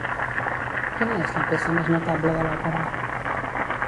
Quina és la peça més notable de l'òpera?